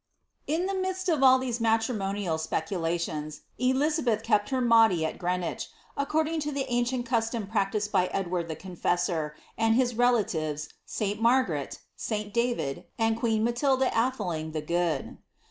In the midst of all these matrimonial speculations, Elizabeth kept her maundy at Greenwich, according to the ancient custom practised by Ed ward the Confessor, and his relatives St. Margaret, St. David, and queen Matilda Atheling the Good.